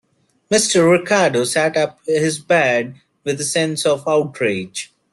Mr. Ricardo sat up in his bed with a sense of outrage.